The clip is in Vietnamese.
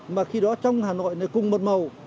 mà khi đó trong hà nội này cùng một màu